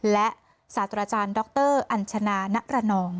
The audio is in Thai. และสัตว์อาจารย์ดรอัญชนะนักระนอง